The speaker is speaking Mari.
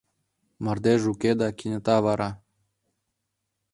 Мардеж уке да кенета вара